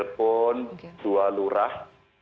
telpon dua lurah